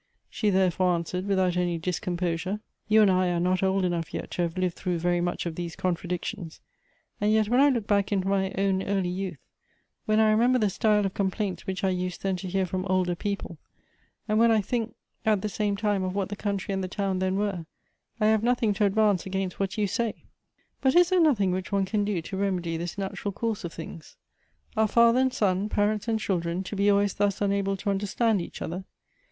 She therefore answered without any discomposure :" You and I are not old enough yet to have lived through very much of these contradictions ; and yet when I look back into my own early youth, when I remember the style of com plaints which I used then to hear from older people, and when I think at the same time of what the country and the town then were, I have nothing to advance against what you say. But is there nothing which one can do to remedy this natural course of things? Are father and son, parents and children, to be always thus unable to understand each other?